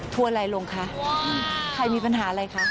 อะไรลงคะใครมีปัญหาอะไรคะ